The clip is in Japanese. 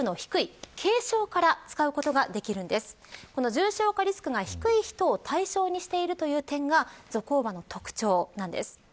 重症化リスクが低い人を対象にしているという点がゾコーバの特徴なんです。